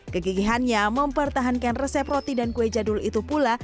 kegigihannya mempertahankan resep roti dan kue jadul itu pula